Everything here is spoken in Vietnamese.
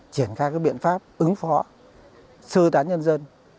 triển khai các biện pháp ứng phó sưu tán nhân dân